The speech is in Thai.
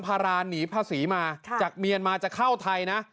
พาราหนีภาษีมาจากเมียนมาจะเข้าไทยนะ